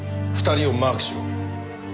２人をマークしろ。